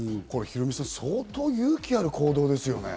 ヒロミさん、相当勇気ある行動ですよね。